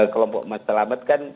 kelompok mas selamet kan